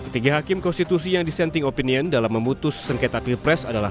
tiga hakim konstitusi yang dissenting opinion dalam memutus sengketa pilpres adalah